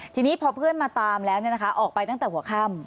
ทีนี้พอเพื่อนมาตามแล้วออกไปตั้งแต่หัวค่ำ